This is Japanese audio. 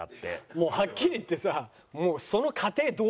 もうはっきり言ってさ。